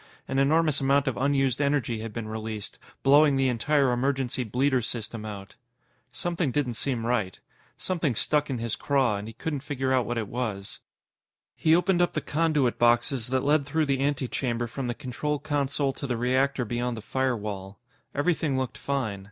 An enormous amount of unused energy had been released, blowing the entire emergency bleeder system out. Something didn't seem right. Something stuck in his craw, and he couldn't figure out what it was. He opened up the conduit boxes that led through the antechamber from the control console to the reactor beyond the firewall. Everything looked fine.